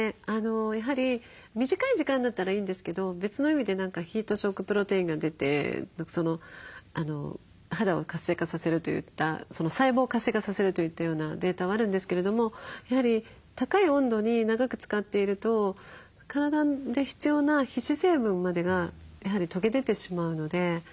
やはり短い時間だったらいいんですけど別の意味でヒートショックプロテインが出て肌を活性化させるといった細胞を活性化させるといったようなデータはあるんですけれどもやはり高い温度に長くつかっていると体で必要な皮脂成分までがやはり溶け出てしまうので。